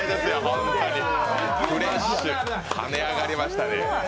本当にフレッシュ、跳ね上がりましたね。